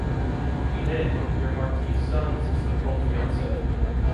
Inès, your Marquis son’s so-called fiancé?